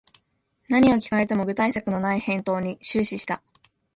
何を聞かれても具体策のない返答に終始した